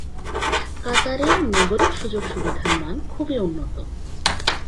কাতারের নাগরিক সুযোগ সুবিধার মান খুবই উন্নত।